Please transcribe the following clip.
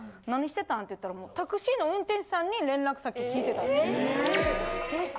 「何してたん？」って言ったらタクシーの運転手さんに連絡先聞いてたんですよ。